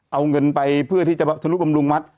เอาเงินไปเพื่อที่จะทะลุบำรุงวัด